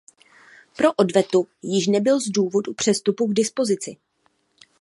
Pro odvetu již nebyl z důvodu přestupu k dispozici.